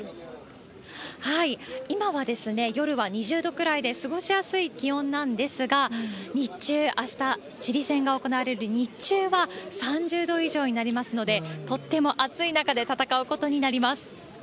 今は夜は２０度くらいで、過ごしやすい気温なんですが、日中、あしたチリ戦が行われる日中は、３０度以上になりますので、とっても暑い中で戦うことになります。